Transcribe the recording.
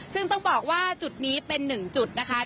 ซึ่งต้องบอกว่าจุดนี้เป็นหนึ่งจุดนะคะ